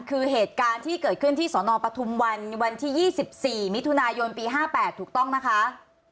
คือเหตุการณ์ที่เกิดขึ้นที่สนปทุมวันวันที่๒๔มิถุนายนปี๕๘ถูกต้องนะคะ